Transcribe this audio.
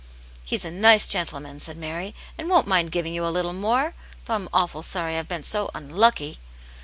" "He's a nice gentleman," said Mary, "and won't mind giving you a little more. Though I'm awful sorry I've been so unlucky."